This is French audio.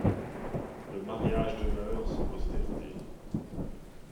Le mariage demeure sans postérité.